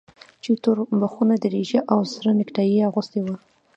چې توربخونه دريشي او سره نيكټايي يې اغوستې وه.